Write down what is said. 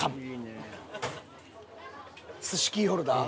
寿司キーホルダー？